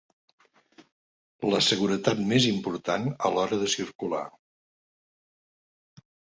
La seguretat més important a l'hora de circular.